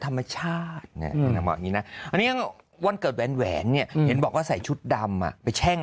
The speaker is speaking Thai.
ธรรมชาติวันเกิดแหวนแหวนเนี่ยบอกว่าใส่ชุดดำอ่ะไปแช่ง